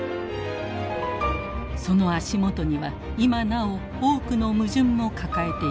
その足元には今なお多くの矛盾も抱えています。